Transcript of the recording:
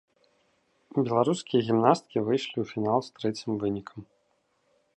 Беларускія гімнасткі выйшлі ў фінал з трэцім вынікам.